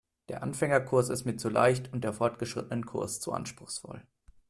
Der Anfängerkurs ist mir zu leicht und der Fortgeschrittenenkurs zu anspruchsvoll.